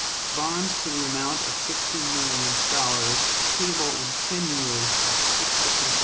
Bonds to the amount of fifty million dollars, payable in ten years at six per cent.